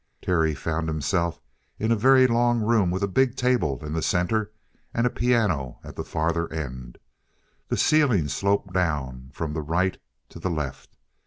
Terry found himself in a very long room with a big table in the center and a piano at the farther end. The ceiling sloped down from the right to the left.